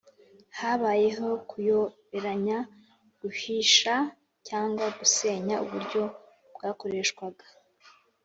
Habayeho kuyoberanya guhisha cyangwa gusenya uburyo bwakoreshwaga